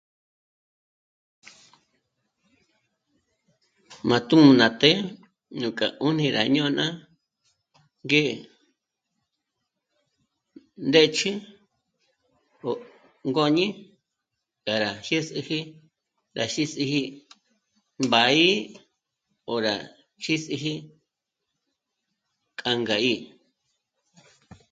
Má tū̂'ū ná të́'ë núk'a 'ùnü rá ñôna ngé ndë́ch'ü ó ngôñi 'ä̀rä jyés'eji rá xís'iji mbá'í 'ö̀rü rá jís'íji k'a nga'í